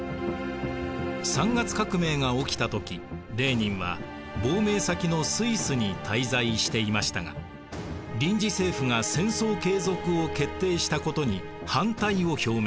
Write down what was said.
三月革命が起きた時レーニンは亡命先のスイスに滞在していましたが臨時政府が戦争継続を決定したことに反対を表明。